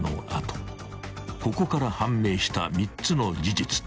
［ここから判明した３つの事実］